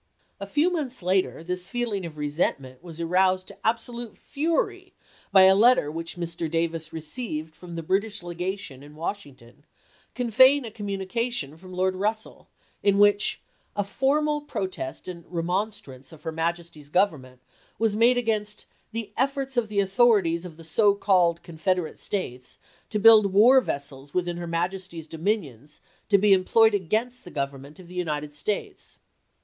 A few months later this feeling of resentment was aroused to absolute fury by a letter which Mr. Davis received from the British Legation in Wash ington conveying a communication from Lord Russell, in which a "formal protest and remon strance of her Majesty's Government" was made against "the efforts of the authorities of the so called Confederate States to build war vessels within her Majesty's dominions to be employed against the Government of the United States."